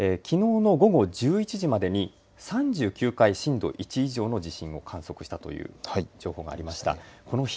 きのうの午後１０時までに３９回震度１以上の地震を観測したという情報がありました。